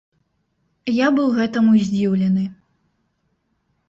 Я быў гэтаму здзіўлены.